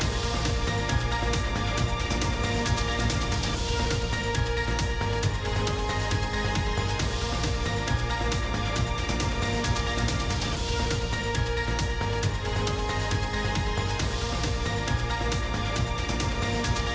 โปรดติดตามตอนต่อไป